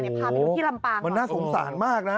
เออโหมันน่าสงสารมากนะพาไปที่ลำบางก่อน